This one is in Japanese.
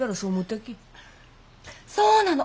そうなの！